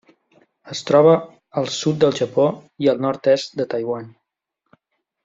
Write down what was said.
Es troba al sud del Japó i al nord-est de Taiwan.